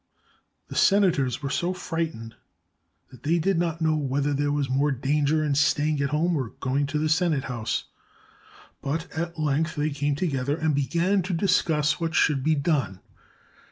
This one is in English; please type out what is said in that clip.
The senators were so frightened that they did not know whether there was more danger in staying at home or going to the Sen ate house, but at length they came together and began to discuss what should be done.